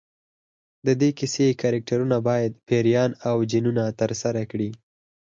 د دې کیسې کرکټرونه باید پیریان او جنونه ترسره کړي.